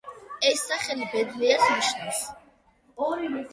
ეს სახელი „ბედნიერს“ ნიშნავს.